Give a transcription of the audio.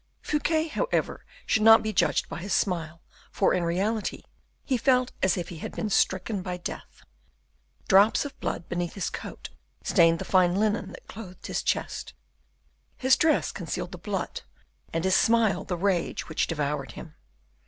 Fouquet, however, should not be judged by his smile, for, in reality, he felt as if he had been stricken by death. Drops of blood beneath his coat stained the fine linen that clothed his chest. His dress concealed the blood, and his smile the rage which devoured him.